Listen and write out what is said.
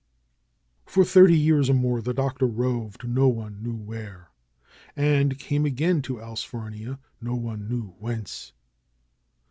For thirty years or more the Doctor roved no one knew where, and came again to Allsfarnia, no one knew whence.